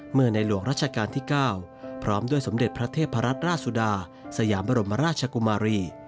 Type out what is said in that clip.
ในหลวงรัชกาลที่๙พร้อมด้วยสมเด็จพระเทพรัตนราชสุดาสยามบรมราชกุมารี